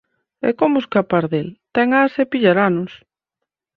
E como escapar del? Ten ás e pillaranos.